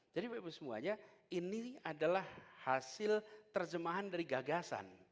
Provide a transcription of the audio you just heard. jadi bapak ibu semuanya ini adalah hasil terjemahan dari gagasan